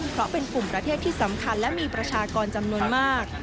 เพราะเป็นกลุ่มประเทศที่สำคัญและมีประชากรจำนวนมาก